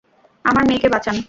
আমার মেয়েকে বাঁচান।